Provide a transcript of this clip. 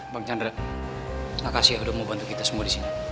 bang chandra makasih ya udah mau bantu kita semua di sini